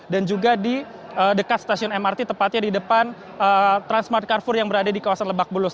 dan juga di dekat stasiun mrt tepatnya di depan transmart carrefour yang berada di kawasan lebak bulus